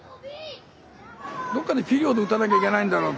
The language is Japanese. どっかでピリオド打たなきゃいけないんだろうって。